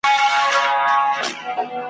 دا متل مو د نیکونو له ټبر دی ,